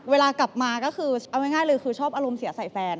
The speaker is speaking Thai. เวลากลับมาก็คือเอาง่ายเลยคือชอบอารมณ์เสียใส่แฟน